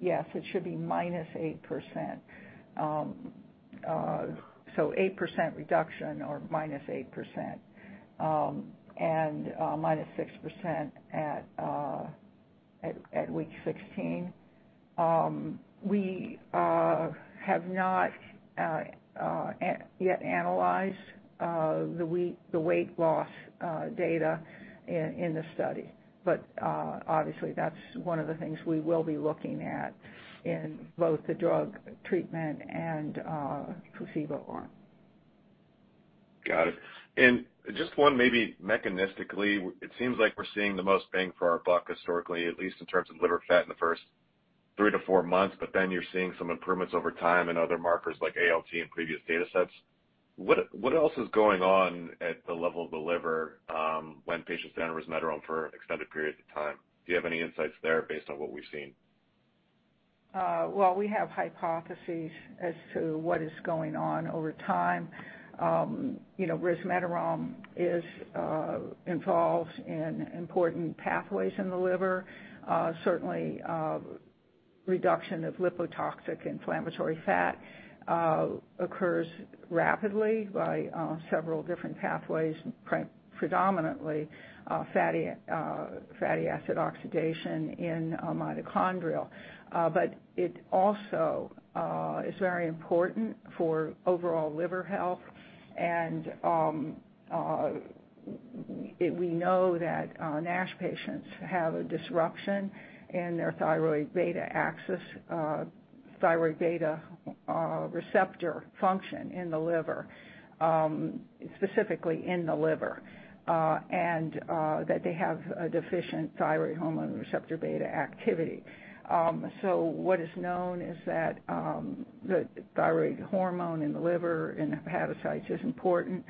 Yes, it should be minus 8%. 8% reduction or minus 8%, and minus 6% at week 16. We have not yet analyzed the weight loss data in the study. Obviously that's one of the things we will be looking at in both the drug treatment and placebo arm. Got it. Just one maybe mechanistically, it seems like we're seeing the most bang for our buck historically, at least in terms of liver fat in the first three-four months, but then you're seeing some improvements over time in other markers like ALT in previous datasets. What else is going on at the level of the liver when patients enter resmetirom for extended periods of time? Do you have any insights there based on what we've seen? Well, we have hypotheses as to what is going on over time. You know, resmetirom is involved in important pathways in the liver. Certainly, reduction of lipotoxic inflammatory fat occurs rapidly by several different pathways, predominantly fatty acid oxidation in mitochondria. But it also is very important for overall liver health and we know that NASH patients have a disruption in their thyroid beta axis, thyroid beta receptor function in the liver, specifically in the liver, and that they have a deficient thyroid hormone receptor beta activity. What is known is that the thyroid hormone in the liver, in hepatocytes is important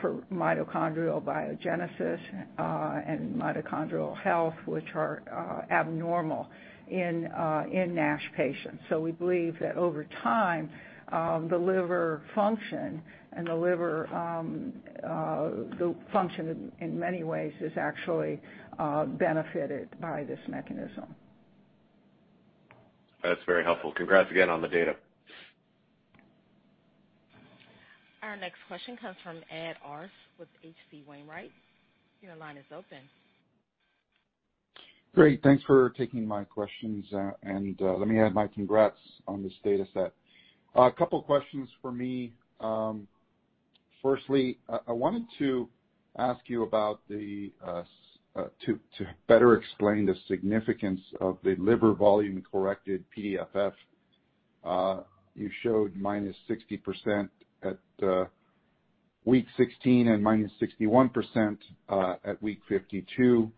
for mitochondrial biogenesis and mitochondrial health, which are abnormal in NASH patients. We believe that over time, the liver function in many ways is actually benefited by this mechanism. That's very helpful. Congrats again on the data. Our next question comes from Ed Arce with H.C. Wainwright. Your line is open. Great. Thanks for taking my questions. Let me add my congrats on this data set. A couple questions for me. I wanted to ask you about, to better explain the significance of the liver volume corrected PDFF, you showed minus 60% at week 16 and minus 61% at week 52.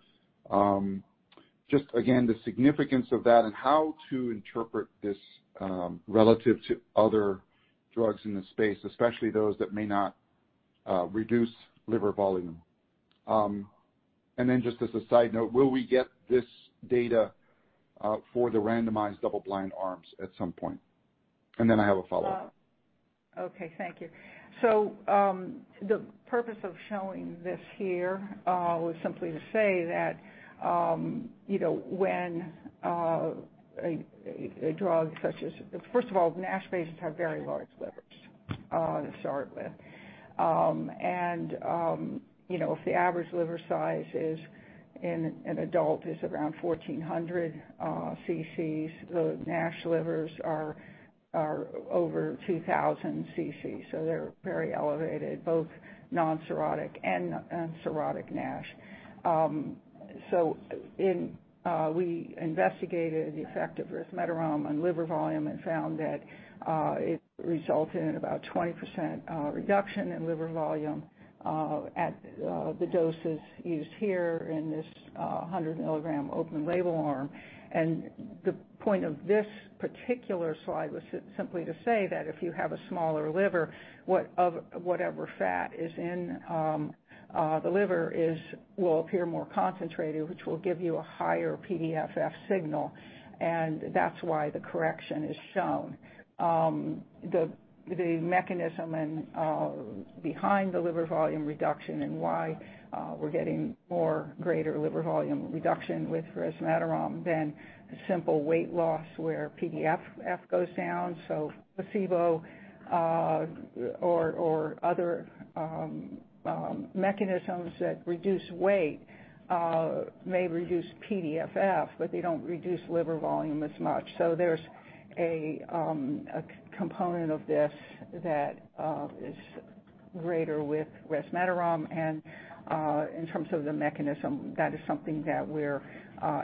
Just again, the significance of that and how to interpret this relative to other drugs in the space, especially those that may not reduce liver volume. Just as a side note, will we get this data for the randomized double blind arms at some point? I have a follow-up. Okay. Thank you. The purpose of showing this here was simply to say that, you know, First of all, NASH patients have very large livers to start with. You know, if the average liver size in an adult is around 1400 CCs, the NASH livers are over 2000 CCs. They're very elevated, both non-cirrhotic and cirrhotic NASH. We investigated the effect of resmetirom on liver volume and found that it resulted in about 20% reduction in liver volume at the doses used here in this 100 mg open label arm. The point of this particular slide was simply to say that if you have a smaller liver, whatever fat is in the liver will appear more concentrated, which will give you a higher PDFF signal, and that's why the correction is shown. The mechanism behind the liver volume reduction and why we're getting greater liver volume reduction with resmetirom than simple weight loss where PDFF goes down. Placebo or other mechanisms that reduce weight may reduce PDFF, but they don't reduce liver volume as much. There's a component of this that is greater with resmetirom. In terms of the mechanism, that is something that we're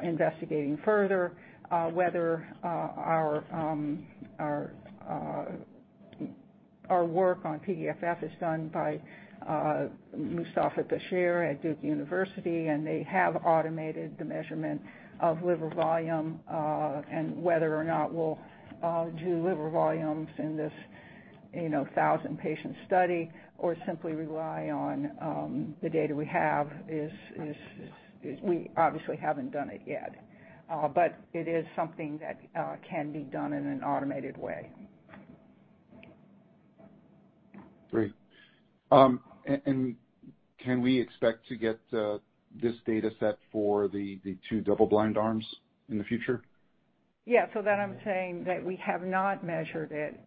investigating further, whether our work on PDFF is done by Mustafa Bashir at Duke University, and they have automated the measurement of liver volume, and whether or not we'll do liver volumes in this, you know, 1,000-patient study or simply rely on the data we have is, we obviously haven't done it yet. But it is something that can be done in an automated way. Great. Can we expect to get this data set for the two double blind arms in the future? Yeah. That I'm saying that we have not measured it.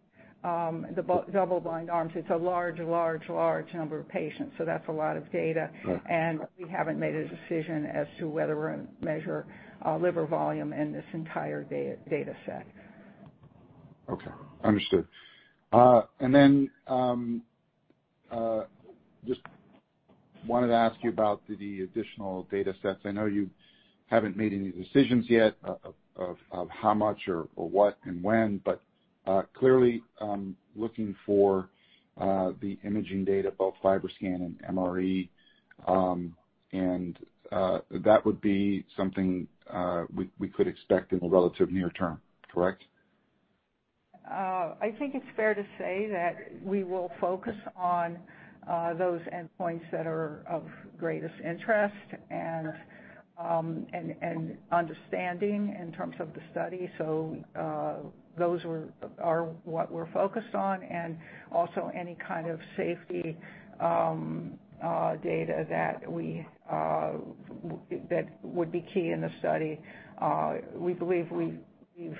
The double-blind arms, it's a large number of patients, so that's a lot of data. Right. We haven't made a decision as to whether we're measuring liver volume in this entire data set. Okay. Understood. Just wanted to ask you about the additional data sets. I know you haven't made any decisions yet of how much or what and when, but clearly looking for the imaging data, both FibroScan and MRE, and that would be something we could expect in the relative near term, correct? I think it's fair to say that we will focus on those endpoints that are of greatest interest and understanding in terms of the study. Those are what we're focused on and also any kind of safety data that would be key in the study. We believe we've you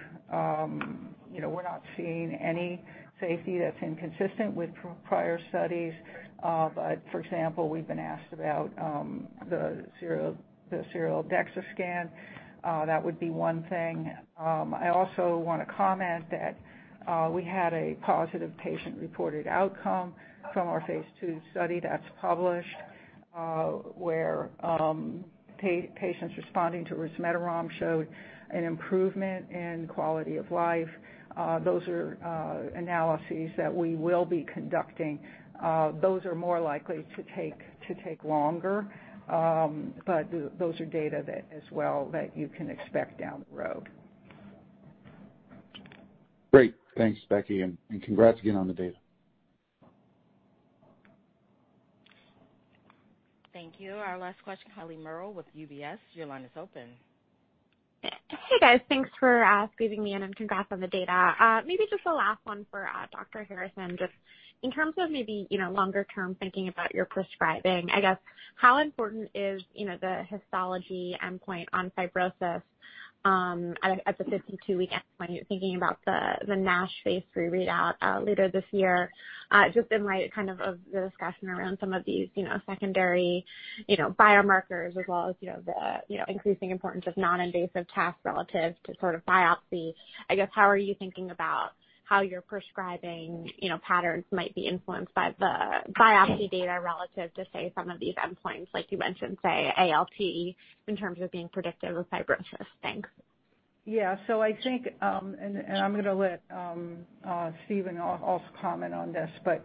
know, we're not seeing any safety that's inconsistent with prior studies. For example, we've been asked about the serial DEXA scan. That would be one thing. I also wanna comment that we had a positive patient-reported outcome from our phase II study that's published, where patients responding to resmetirom showed an improvement in quality of life. Those are analyses that we will be conducting. Those are more likely to take longer. Those are data that as well that you can expect down the road. Great. Thanks, Becky, and congrats again on the data. Thank you. Our last question, Eliana Merle with UBS. Your line is open. Hey, guys. Thanks for squeezing me in, and congrats on the data. Maybe just a last one for Dr. Harrison. Just in terms of maybe, you know, longer term thinking about your prescribing, I guess, how important is, you know, the histology endpoint on fibrosis at the 52-week endpoint thinking about the NASH phase III readout later this year, just in light of the discussion around some of these, you know, secondary biomarkers as well as, you know, the increasing importance of non-invasive tests relative to sort of biopsy. I guess, how are you thinking about how your prescribing, you know, patterns might be influenced by the biopsy data relative to, say, some of these endpoints, like you mentioned, say, ALT in terms of being predictive of fibrosis? Thanks. Yeah. I think I'm gonna let Steven also comment on this, but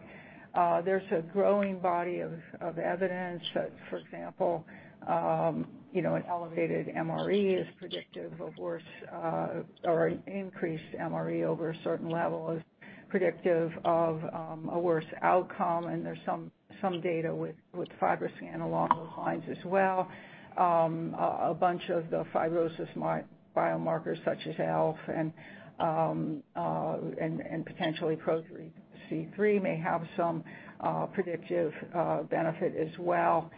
there's a growing body of evidence that, for example, you know, an elevated MRE is predictive of worse or increased MRE over a certain level is predictive of a worse outcome. There's some data with FibroScan along those lines as well. A bunch of the fibrosis biomarkers such as ELF and potentially PRO-C3 may have some predictive benefit as well.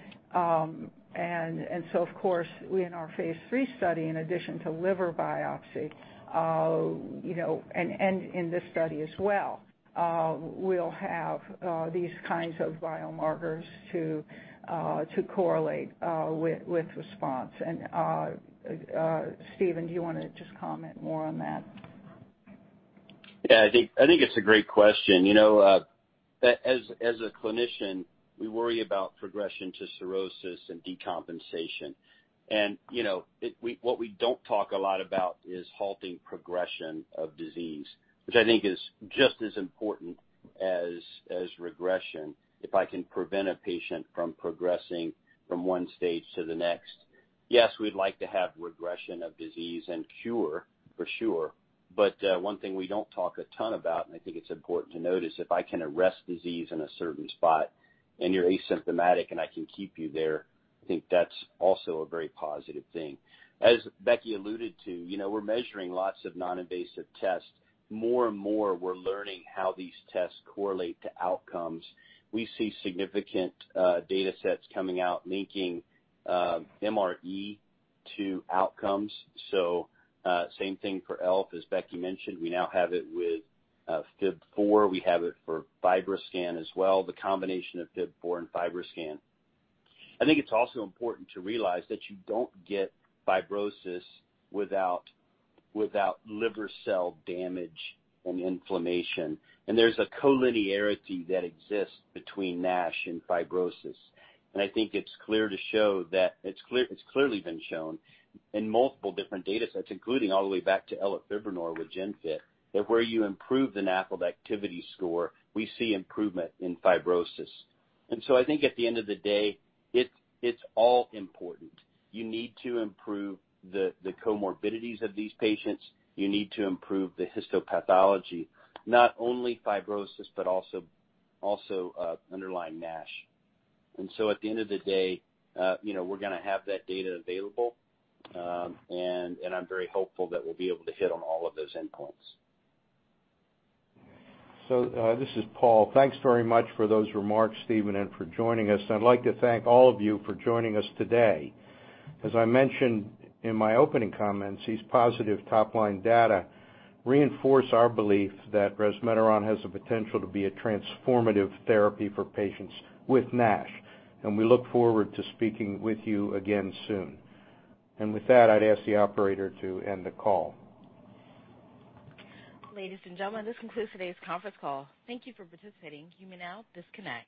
Of course, we in our phase III study, in addition to liver biopsy, you know, and in this study as well, we'll have these kinds of biomarkers to correlate with response. Steven, do you wanna just comment more on that? Yeah, I think it's a great question. You know, as a clinician, we worry about progression to cirrhosis and decompensation. You know, what we don't talk a lot about is halting progression of disease, which I think is just as important as regression if I can prevent a patient from progressing from one stage to the next. Yes, we'd like to have regression of disease and cure, for sure. One thing we don't talk a ton about, and I think it's important to note, is if I can arrest disease in a certain spot and you're asymptomatic and I can keep you there, I think that's also a very positive thing. As Becky alluded to, you know, we're measuring lots of non-invasive tests. More and more, we're learning how these tests correlate to outcomes. We see significant data sets coming out linking MRE to outcomes. Same thing for ELF, as Becky mentioned. We now have it with FIB-4. We have it for FibroScan as well, the combination of FIB-4 and FibroScan. I think it's also important to realize that you don't get fibrosis without liver cell damage and inflammation. There's a collinearity that exists between NASH and fibrosis. I think it's clearly been shown in multiple different data sets, including all the way back to elafibranor with GenFit, that where you improve the NAFLD Activity Score, we see improvement in fibrosis. I think at the end of the day, it's all important. You need to improve the comorbidities of these patients. You need to improve the histopathology, not only fibrosis, but also underlying NASH. At the end of the day, you know, we're gonna have that data available, and I'm very hopeful that we'll be able to hit on all of those endpoints. This is Paul. Thanks very much for those remarks, Steven, and for joining us. I'd like to thank all of you for joining us today. As I mentioned in my opening comments, these positive top-line data reinforce our belief that resmetirom has the potential to be a transformative therapy for patients with NASH, and we look forward to speaking with you again soon. With that, I'd ask the operator to end the call. Ladies and gentlemen, this concludes today's conference call. Thank you for participating. You may now disconnect.